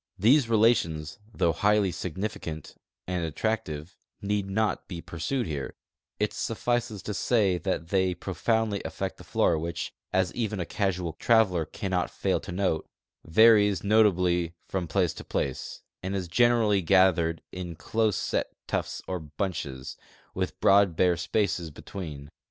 These relations, thougli highly significant and attract ive, need not be pursued here; it suffices to say that they pro foundly affect the flora which, as even a casual traveler cannot fail to note, varies notably from place to place, and is generally gathered in close set tufts or bunches, with broad bare spaces between